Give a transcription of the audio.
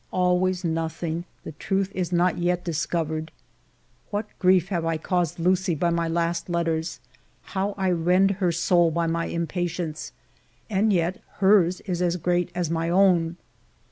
Always nothing : the truth is not yet discovered. What grief have I caused Lucie by my last letters; how I rend her soul by my impatience, and yet hers is as great as my own